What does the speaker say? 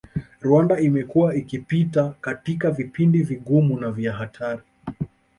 Rwanda imekuwa ikipita katika vipindi vigumu na vya hatari